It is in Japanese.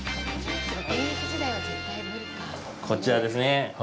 こちらですね。